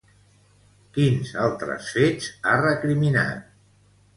Quins altres fets ha recriminat?